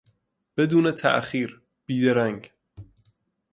بدون تاخیر، بیدرنگ